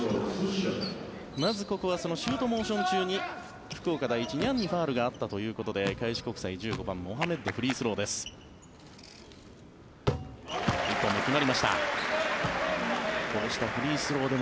まずはシュートモーション中にニャンにファウルがあったということでモハメッドにフリースローです。